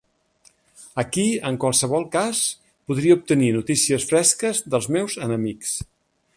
Aquí, en qualsevol cas, podria obtenir notícies fresques dels meus enemics.